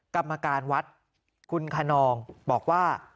กรรมการวัดกุณขนองบอกว่า